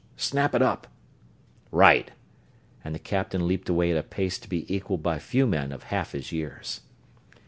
Snap it up!" "Right!" and the captain leaped away at a pace to be equaled by few men of half his years.